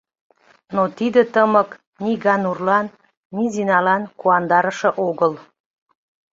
Но тиде тымык ни Ганурлан, ни Зиналан куандарыше огыл.